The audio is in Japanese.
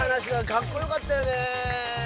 かっこよかったよね！